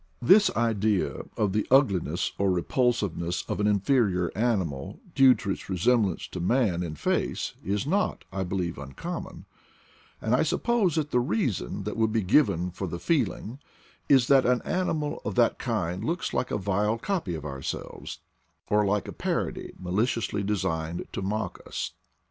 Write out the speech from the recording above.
This idea of the ugliness or repulsiveness of an inferior animal, due to its resemblance to man in face, is not, I believe, uncommon; and I suppose that the reason that would be given for the feeling is that an animal of that kind looks like a vile copy of ourselves, or like a parody maliciously designed to mock us.